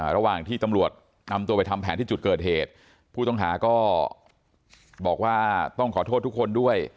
ระหว่างที่ตำรวจนำตัวไปทำแผนที่จุดเกิดเหตุผู้ต้องหาก็บอกว่าต้องขอโทษทุกคนด้วย